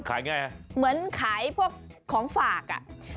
ขายอย่างไร๘เหมือนขายพวกของฝาก